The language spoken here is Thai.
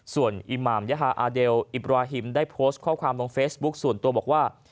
ส่วนอิหมามยาฮาอาเดลอิบราฮิมได้โพสต์ข้อความลงเฟซบุ๊คส่วนตัวบอกว่า